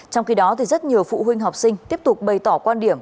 trong khi đó rất nhiều phụ huynh học sinh tiếp tục bày tỏ quan điểm